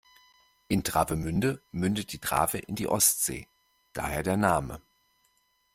In Travemünde mündet die Trave in die Ostsee, daher der Name.